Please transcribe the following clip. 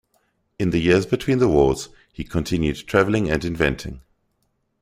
In the years between the wars, he continued travelling and inventing.